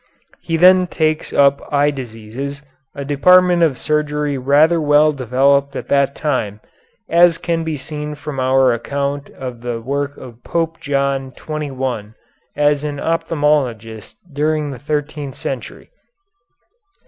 He then takes up eye diseases, a department of surgery rather well developed at that time, as can be seen from our account of the work of Pope John XXI as an ophthalmologist during the thirteenth century.